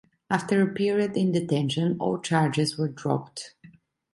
After a period in detention, all charges were dropped.